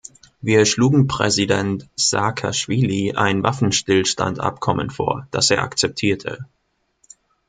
Wir schlugen Präsident Saakaschwili ein Waffenstillstandabkommen vor, das er akzeptierte.